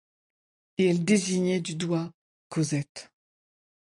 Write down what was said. Et elle désignait du doigt Cosette.